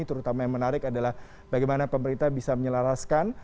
terutama yang menarik adalah bagaimana pemerintah bisa menyelaraskan